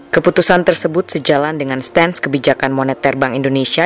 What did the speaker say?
keputusan tersebut sejalan dengan stans kebijakan moneter bank indonesia